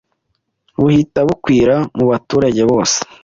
buhita bukwira mu baturage bose.